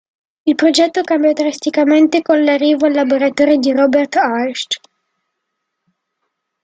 Il progetto cambia drasticamente con l'arrivo al laboratorio di Robert Hirsch.